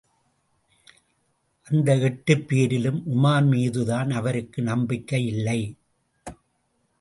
அந்த எட்டுப்பேரிலும் உமார் மீதுதான் அவருக்கு நம்பிக்கையில்லை.